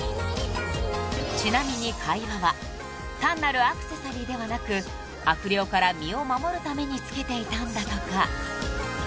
［ちなみに貝輪は単なるアクセサリーではなく悪霊から身を守るために着けていたんだとか］